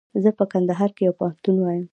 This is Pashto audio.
زه په کندهار کښي پوهنتون وایم.